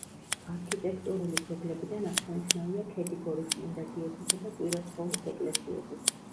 არქიტექტურული ძეგლებიდან აღსანიშნავია ქედიგორის წმინდა გიორგისა და კვირაცხოვლის ეკლესიები.